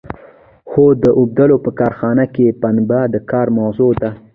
هو د اوبدلو په کارخانه کې پنبه د کار موضوع ده.